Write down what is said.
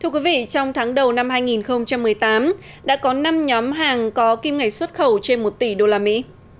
thưa quý vị trong tháng đầu năm hai nghìn một mươi tám đã có năm nhóm hàng có kim ngạch xuất khẩu trên một tỷ đô la mỹ